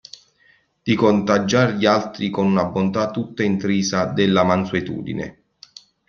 Di contagiare gli altri con una bontà tutta intrisa della mansuetudine.